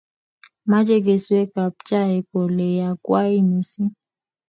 Mache keswek ab chaik ole yakwai mising'